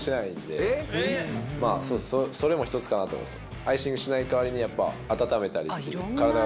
まぁそれも１つかなと思います。